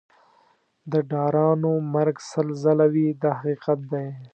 د ډارنو مرګ سل ځله وي دا حقیقت دی.